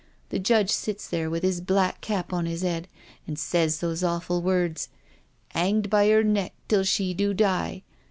The judge sits there with 'is black cap on 'is 'ead and saysi those awful words—' 'anged by 'er neck till she do die.